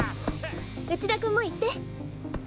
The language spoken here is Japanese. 内田君も行って。